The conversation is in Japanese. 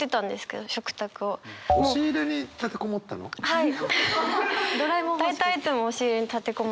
はい。